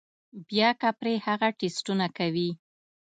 بيا کۀ پرې هغه ټسټونه کوي